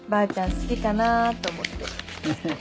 好きかなと思ってふふっ